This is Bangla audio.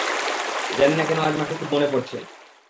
জানি না কেন আজ মাকে খুব মনে পরছে।